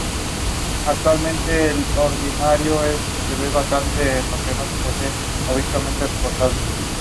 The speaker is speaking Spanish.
Estas son las distintas portadas según la región o país.